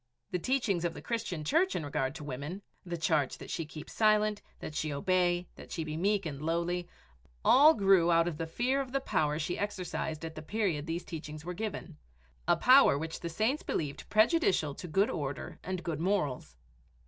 The teachings of the Christian Church in regard to women, the charge that she keep silent, that she obey, that she be meek and lowly all grew out of the fear of the power she exercised at the period these teachings were given a power which the saints believed prejudicial to good order and good morals.